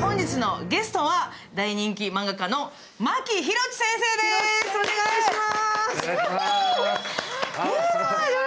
本日のゲストは大人気漫画家のマキヒロチ先生です。